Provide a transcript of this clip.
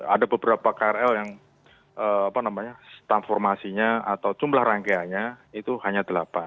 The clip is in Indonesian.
ada beberapa krl yang transformasinya atau jumlah rangkaiannya itu hanya delapan